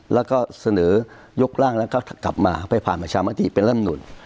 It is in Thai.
แล้วก็เสนอยกร่างแล้วก็กลับมาไปผ่านประชามติเป็นร่ำหนุน